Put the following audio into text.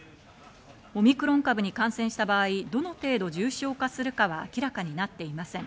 オミクロン株に感染した場合、どの程度、重症化するかは明らかになっていません。